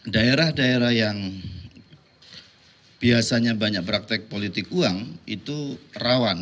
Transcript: daerah daerah yang biasanya banyak praktek politik uang itu rawan